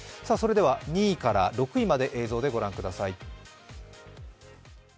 ２位から６位まで映像で御覧ください。